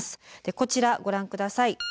こちらご覧下さい。